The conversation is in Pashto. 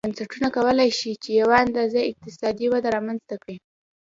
بنسټونه کولای شي چې یوه اندازه اقتصادي وده رامنځته کړي.